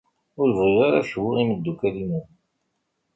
Ur bɣiɣ ara ad kbuɣ imeddukal-inu.